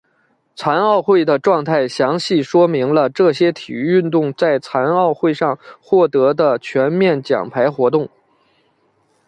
残奥会的状态详细说明了这些体育运动在残奥会上获得的全面奖牌活动。